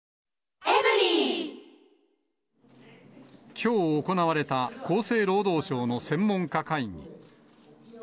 きょう行われた厚生労働省の専門家会議。